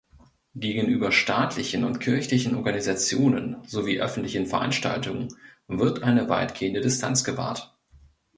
Gegenüber staatlichen und kirchlichen Organisationen sowie öffentlichen Veranstaltungen wird eine weitgehende Distanz gewahrt.